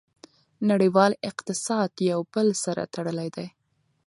نړیوال اقتصاد یو بل سره تړلی دی.